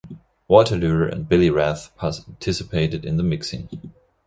Walter Lure and Billy Rath participated in the mixing.